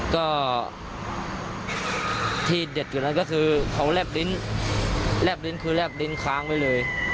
ก็ที่เด็ดอยู่นั้นก็คือเขาแลบลิ้นแลบลิ้นคือแลบลิ้นค้างไว้เลย